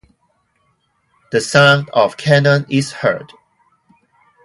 The sound of cannon is heard.